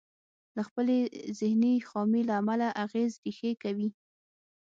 د خپلې ذهني خامي له امله اغېز ريښې کوي.